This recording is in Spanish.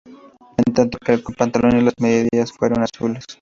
En tanto que el pantalón y las medias fueron azules.